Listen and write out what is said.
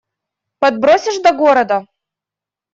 Подбросишь до города?